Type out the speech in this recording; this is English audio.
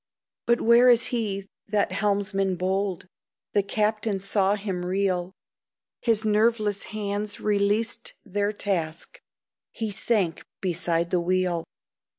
But where is he, that helmsman bold? The captain saw him reel, His nerveless hands released their task, He sank beside the wheel.